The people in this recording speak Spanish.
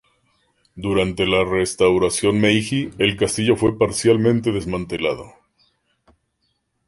Durante la Restauración Meiji el castillo fue parcialmente desmantelado.